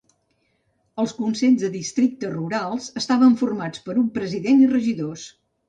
Els consells de districte rurals estaven formats per un president i regidors.